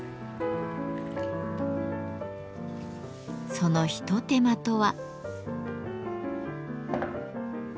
その一手間とは？